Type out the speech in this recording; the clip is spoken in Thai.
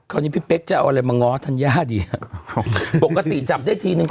ครั้งนี้พี่เป๊กจะเอาอะไรมางอทัญญาฮะดีบุกกระตินจำได้ทีนึง